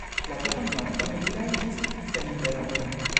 La tutan nokton li rajdis seninterrompe.